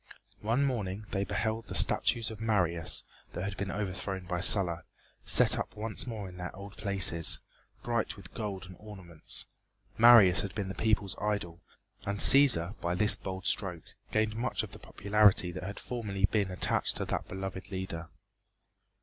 One morning they beheld the statues of Marius, that had been overthrown by Sulla, set up once more in their old places, bright with gold and ornaments. Marius had been the people's idol, and Cæsar by this bold stroke gained much of the popularity that had formerly been attached to that beloved leader.